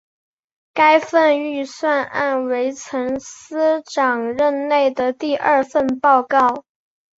该份预算案为曾司长任内的第二份报告。